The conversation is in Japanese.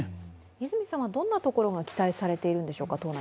泉さんはどんなところが党内から期待されているんでしょうか？